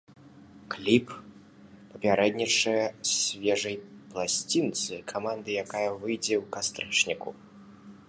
Кліп папярэднічае свежай пласцінцы каманды, якая выйдзе ў кастрычніку.